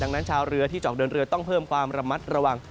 ดังนั้นชาวเรือที่จะออกเดินเรือต้องเพิ่มความระมัดระวัง